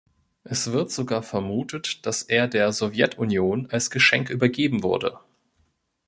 Es wird sogar vermutet, dass er der Sowjetunion als Geschenk übergeben wurde.